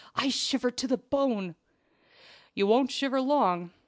I shiver to the bone." "You won't shiver long."